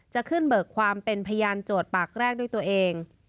จะขึ้นเบิกความเป็นพยานโจทย์ปากแรกด้วยตัวเอง